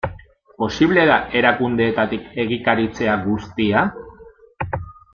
Posible da erakundeetatik egikaritzea guztia?